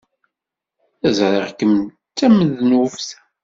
Ẓriɣ kemm d tamednubt.